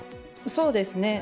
そうですね。